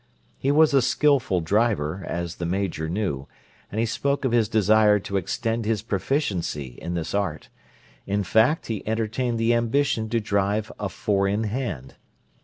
He was a skillful driver, as the Major knew, and he spoke of his desire to extend his proficiency in this art: in fact, be entertained the ambition to drive a four in hand.